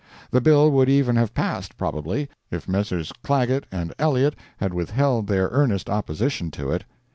The bill would even have passed, probably, if Messrs. Clagett, and Elliott had withheld their earnest opposition to it.